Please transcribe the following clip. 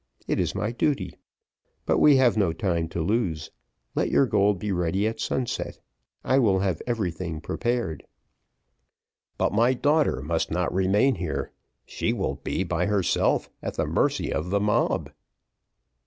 It is my duty. But we have no time to lose. Let your gold be ready at sunset: I will have everything prepared." "But my daughter must not remain here; she will be by herself, at the mercy of the mob."